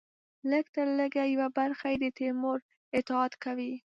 لږترلږه یوه برخه یې د تیمور اطاعت کوي.